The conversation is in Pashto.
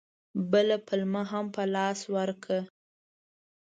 بله پلمه هم په لاس ورکړه.